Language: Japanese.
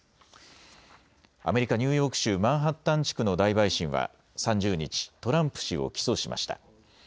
アメリカ・ニューヨーク州マンハッタン地区の大陪審は３０日、トランプ氏を起訴しました。